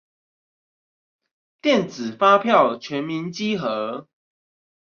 電子發票全民稽核